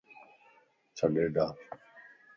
ڇڏي ڊار